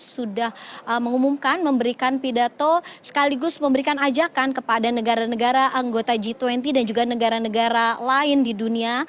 sudah mengumumkan memberikan pidato sekaligus memberikan ajakan kepada negara negara anggota g dua puluh dan juga negara negara lain di dunia